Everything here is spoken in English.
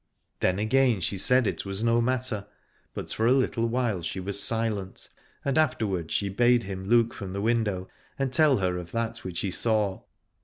Then again she said it 98 it:z:z^ Aladore was no matter, but for a little while she was silent : and afterward she bade him look from the window and tell her of that which he saw.